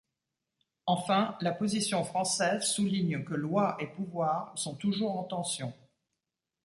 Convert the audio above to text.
Enfin, la position française souligne que loi et pouvoir sont toujours en tension.